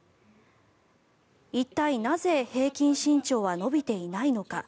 一体なぜ平均身長は伸びていないのか。